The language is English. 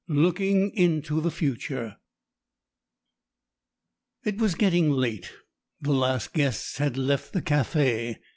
LOOKING INTO THE FUTURE It was getting late. The last guests had left the café.